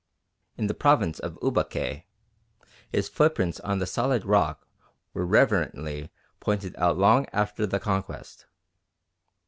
In the province of Ubaque his footprints on the solid rock were reverently pointed out long after the Conquest."